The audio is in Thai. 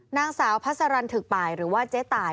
นางสาวพัสรันถึกป่ายหรือว่าเจ๊ตาย